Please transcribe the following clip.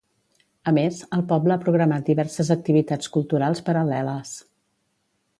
A més, el poble ha programat diverses activitats culturals paral·leles.